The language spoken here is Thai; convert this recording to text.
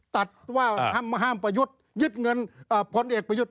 ตัดว่าห้ามประยุทธ์ยึดเงินพลเอกประยุทธ์